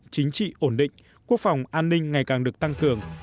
chính trị ổn định quốc phòng an ninh ngày càng được tăng cường